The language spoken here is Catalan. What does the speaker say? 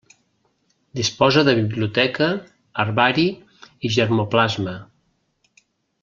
Disposa de biblioteca, herbari i germoplasma.